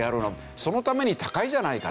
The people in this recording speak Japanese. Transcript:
そのために高いじゃないかと。